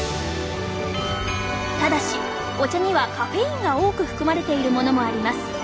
ただしお茶にはカフェインが多く含まれているものもあります。